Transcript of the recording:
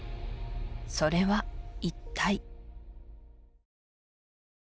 それは一体？